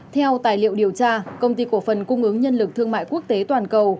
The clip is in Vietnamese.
theo tài liệu điều tra công ty cổ phần cung ứng nhân lực thương mại quốc tế toàn cầu